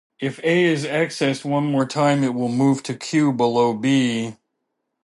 If "a" is accessed one more time it will move to Q below "b".